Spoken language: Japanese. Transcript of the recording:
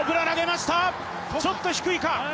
ちょっと低いか！